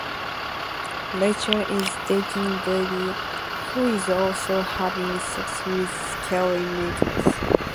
Rachel is dating Brady, who is also having sex with Kelly Meeker.